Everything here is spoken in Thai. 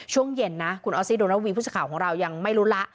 ช่วงเย็นนะคุณออสซี่โดนระวีผู้สื่อข่าวของเรายังไม่รู้ละ